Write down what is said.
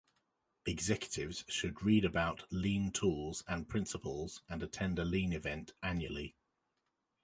Executives should read about Lean tools and principles and attend a Lean event annually.